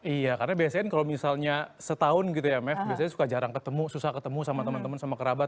iya karena biasanya kalau misalnya setahun gitu ya mf biasanya suka jarang ketemu susah ketemu sama teman teman sama kerabat